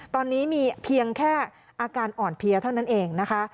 ตอนนี้มีเพียงแค่อาการอ่อนเพลียเท่านั้นเองนะคะ